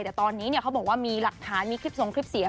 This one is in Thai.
แต่ตอนนี้เขาบอกว่ามีหลักฐานมีคลิปส่งคลิปเสียง